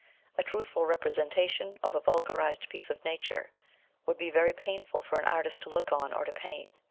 A truthful representation of a vulgarised piece of nature would be very painful for an artist to look on or to paint.